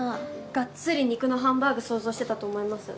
がっつり肉のハンバーグ想像してたと思います。